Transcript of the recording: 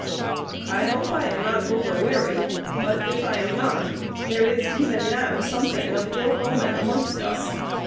"I hope I am not over wary; but, if I am not, there is even now something of ill omen amongst us.